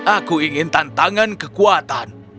aku ingin tantangan kekuatan